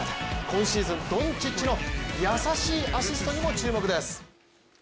今シーズン、ドンチッチの優しいアシストにも注目です。